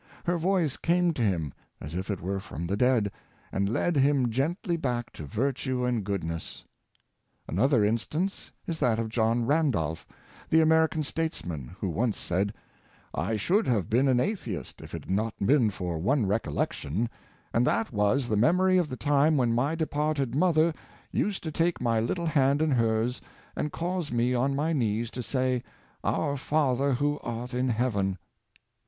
Her voice came to him as it were from the dead, and led him gently back to virtue and goodness. Another instance is that of John Randolph, the Ame rican statesman, who once said: ''I should Have been an atheist if it had not been for one recollection — and that was the memory of the time when my departed mother used to take my little hand in hers and cause me on my knees to say, * Our Father who art in heaven!'